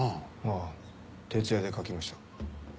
あぁ徹夜で描きました。